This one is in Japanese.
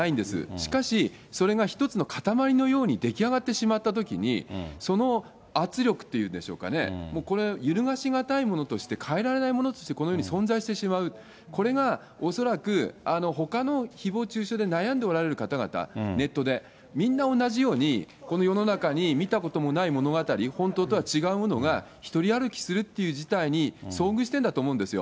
しかし、それが一つの塊のように出来上がってしまったときに、その圧力というんでしょうかね、これ、揺るがし難いものとして、変えられないものとして、この世に存在してしまう、これが恐らく、ほかのひぼう中傷で悩んでおられる方々、ネットで、みんな同じように、この世の中に、見たこともない物語、本当とは違うものが独り歩きするっていう事態に遭遇してるんだと思うんですよ。